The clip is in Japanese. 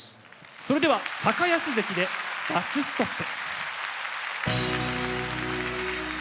それでは安関で「バス・ストップ」。